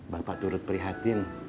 bapak turut perhatian